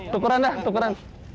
tukeran dah tukeran